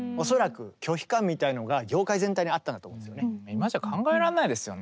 今じゃ考えらんないですよね。